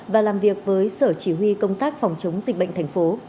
và làm việc với sở chỉ huy công tác phòng chống dịch bệnh thành phố